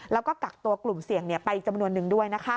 แล้วก็กักตัวกลุ่มเสี่ยงเนี่ยไปอีกจำนวนนึงด้วยนะคะ